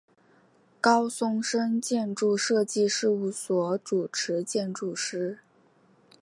高松伸建筑设计事务所主持建筑师。